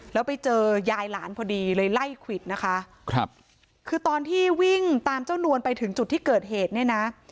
แล้วไปเจอยายหลานพอดีเลยไล่ควิดนะคะครับคือตอนที่วิ่งตามเจ้านวลไปถึงจุดที่เกิดเหตุเนี่ยนะ